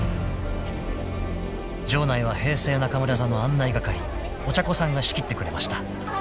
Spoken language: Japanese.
［場内は平成中村座の案内係お茶子さんが仕切ってくれました］